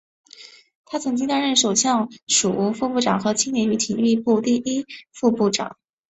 他曾经担任首相署副部长和青年与体育部第一副部长。